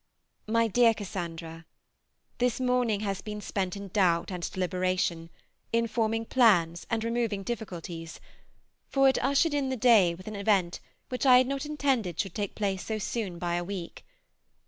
MY DEAR CASSANDRA, This morning has been spent in doubt and deliberation, in forming plans and removing difficulties, for it ushered in the day with an event which I had not intended should take place so soon by a week.